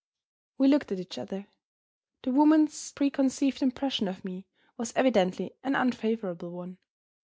We looked at each other. The woman's preconceived impression of me was evidently an unfavorable one.